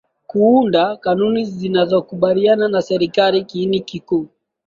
kuunda kanuni zinazokubaliwa na serikali Kiini kikuu